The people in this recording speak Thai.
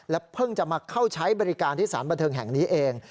เพิ่งจะมาเข้าใช้บริการที่สารบันเทิงแห่งนี้เอง